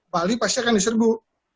bali pasti akan diserbu